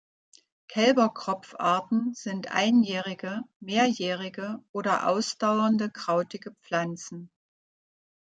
Kälberkropf-Arten sind einjährige, mehrjährige oder ausdauernde, krautige Pflanzen.